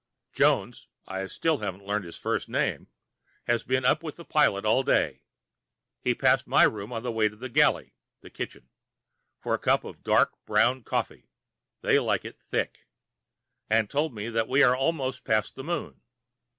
Jones (I still haven't learned his first name) has been up with the pilot all day. He passed my room on the way to the galley (the kitchen) for a cup of dark brown coffee (they like it thick) and told me that we were almost past the Moon.